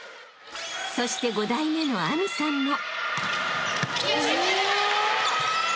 ［そして五代目の明未さんも］